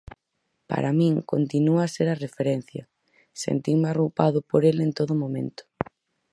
Para min continúa a ser a referencia, sentinme arroupado por el en todo momento.